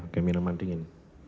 oke minuman dingin